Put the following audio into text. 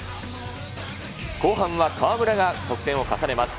後半は、河村が得点を重ねます。